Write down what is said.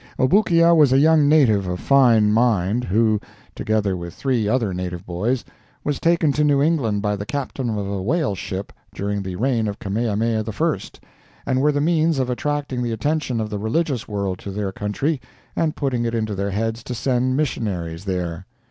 Obookia was a young native of fine mind, who, together with three other native boys, was taken to New England by the captain of a whaleship during the reign of Kamehameha I, and were the means of attracting the attention of the religious world to their country and putting it into their heads to send missionaries there.